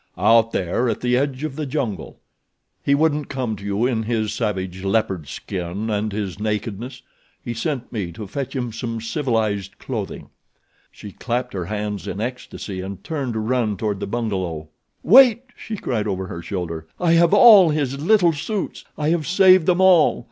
"Out there at the edge of the jungle. He wouldn't come to you in his savage leopard skin and his nakedness—he sent me to fetch him civilized clothing." She clapped her hands in ecstasy, and turned to run toward the bungalow. "Wait!" she cried over her shoulder. "I have all his little suits—I have saved them all.